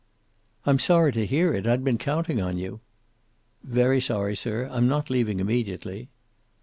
"I'm sorry to hear it. I'd been counting on you." "Very sorry, sir. I'm not leaving immediately."